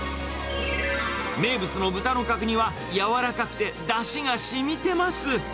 名物の豚の角煮は、やわらかくて、だしがしみてます。